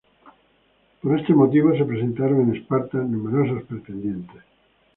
Por este motivo se presentaron en Esparta numerosos pretendientes.